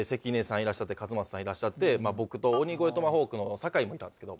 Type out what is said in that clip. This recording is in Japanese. いらっしゃって勝俣さんいらっしゃって僕と鬼越トマホークの坂井もいたんすけど。